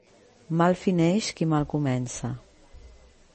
Mal fineix qui mal comença.